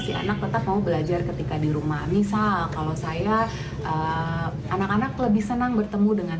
si anak tetap mau belajar ketika di rumah misal kalau saya anak anak lebih senang bertemu dengan